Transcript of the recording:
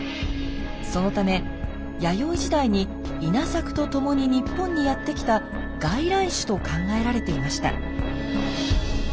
そのため弥生時代に稲作とともに日本にやってきた外来種と考えられていました。